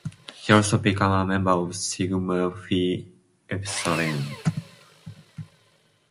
He also became a member of Sigma Phi Epsilon.